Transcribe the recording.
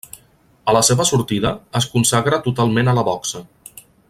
A la seva sortida, es consagra totalment a la boxa.